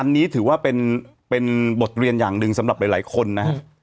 อันนี้ถือว่าเป็นบทเรียนอย่างหนึ่งสำหรับหลายคนนะฮะ